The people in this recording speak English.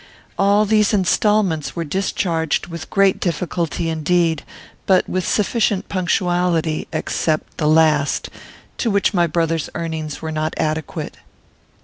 All these instalments were discharged with great difficulty indeed, but with sufficient punctuality, except the last, to which my brother's earnings were not adequate."